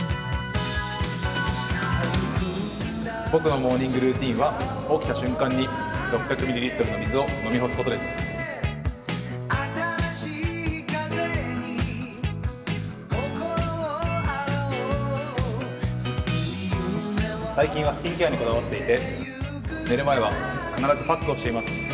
僕のモーニングルーティーンは起きた瞬間に６００ミリリットルの水を飲み干すことです。